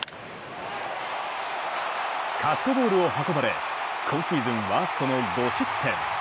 カットボールを運ばれ、今シーズンワーストの５失点。